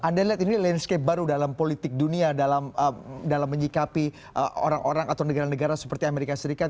ini adalah penyelesaian baru dalam politik dunia dalam menyikapi orang orang atau negara negara seperti amerika serikat